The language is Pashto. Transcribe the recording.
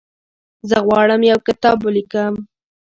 زه غواړم یو کتاب ولیکم.